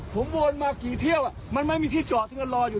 ผมวนมากี่เที่ยวน่ะมันไม่มีที่จอดแล้ว